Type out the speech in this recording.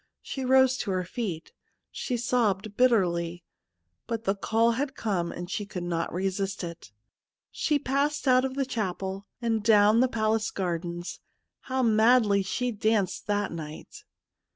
She rose to her feet, she sobbed bitterly, but the call had come and she could not resist it. She passed out ot the chapel and down the palace gardens. How madly she danced that night